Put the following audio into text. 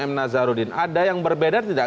m nazarudin ada yang berbeda tidak